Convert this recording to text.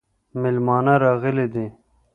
مېلمانه راغلي دي